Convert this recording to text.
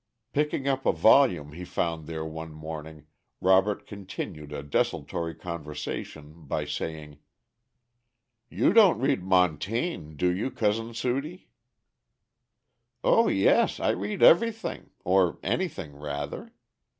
Picking up a volume he found there one morning, Robert continued a desultory conversation by saying: "You don't read Montaigne, do you, Cousin Sudie?" "O yes! I read everything or anything, rather.